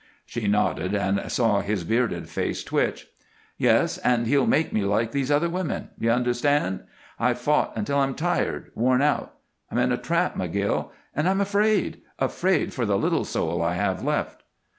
She nodded, and saw his bearded face twitch. "Yes, and he'll make me like these other women you understand? I've fought until I'm tired, worn out. I'm in a trap, McGill, and I'm afraid afraid for the little soul I have left."